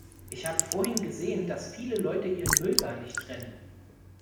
Ich habe vorhin gesehen, dass viele Leute ihren Müll gar nicht trennen.